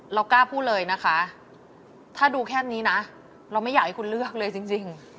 เรากล้าพูดเลยนะคะถ้าดูแค่นี้นะเราไม่อยากให้คุณเลือกเลยจริง